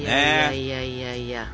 いやいやいや。